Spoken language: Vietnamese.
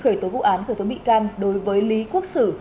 khởi tố vụ án khởi tố bị can đối với lý quốc sử